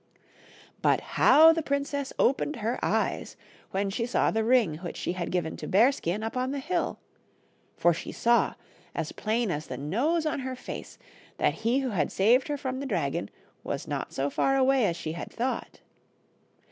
But how the princess opened her eyes when she saw the ring which she had given to Bearskin up on the hill ! For she saw, as plain as the nose on her face, that he who had saved her from the dragon was not so far away as she had thought.